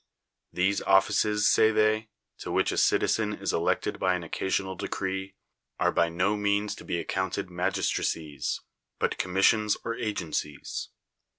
These offices say they, to which a citizen is elected by an occasional decree, are by no means to be ac counted magistracies, but commissions or agen cies.